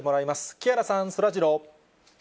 木原さん、そらジロー。